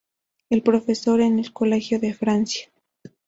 Es profesor en el Colegio de Francia.